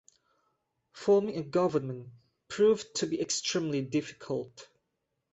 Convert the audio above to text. Forming a government proved to be extremely difficult.